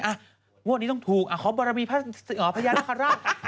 อันนี้ต้องถูกสิขอบรมีพระยาทวิทยาลัยคาราก